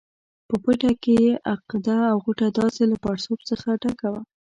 په پټه کې یې عقده او غوټه داسې له پړسوب څخه ډکه وه.